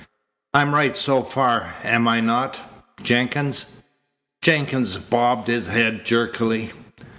"I'm right so far, am I not, Jenkins?" Jenkins bobbed his head jerkily.